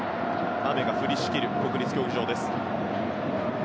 雨が降りしきる国立競技場。